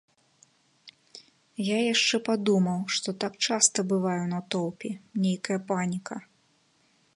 Я яшчэ падумаў, што так часта бывае ў натоўпе, нейкая паніка.